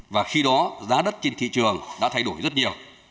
và khi đó giá đất trên thị trường đã thay đổi rất nhiều